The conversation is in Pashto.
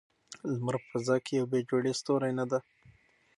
لمر په فضا کې یو بې جوړې ستوری نه دی.